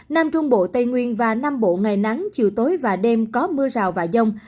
nam trung bộ tây nguyên và nam bộ ngày nắng chiều tối và đêm có mưa rào và rông